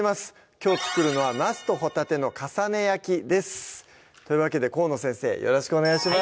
きょう作るのは「なすとホタテの重ね焼き」ですというわけで河野先生よろしくお願いします